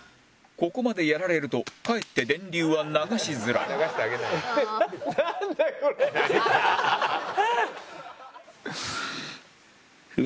ここまでやられるとかえって電流は流しづらいなんだこれ。